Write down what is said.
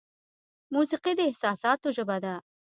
موسیقي د احساساتو ژبه ده.